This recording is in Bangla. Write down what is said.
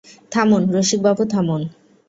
থামুন রসিকবাবু, থামুন।